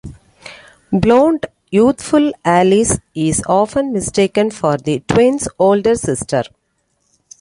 Blonde, youthful Alice is often mistaken for the twins' older sister.